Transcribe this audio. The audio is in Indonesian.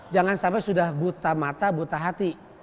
jangan sampai sudah buta mata buta hati